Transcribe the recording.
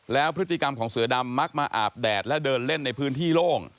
แล้วพฤติกรรมของเสือดำมักมาอาบแดดและเดินเล่นในพื้นที่โล่ง